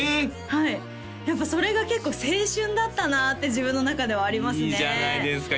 はいやっぱそれが結構青春だったなって自分の中ではありますねいいじゃないですか